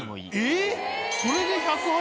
えっ！